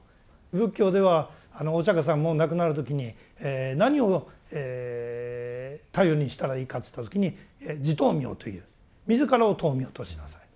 仏教ではお釈さんも亡くなる時に何を頼りにしたらいいかといった時に「自灯明」という自らを灯明としなさい。